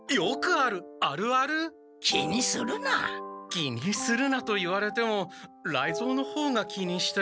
気にするなと言われても雷蔵の方が気にして。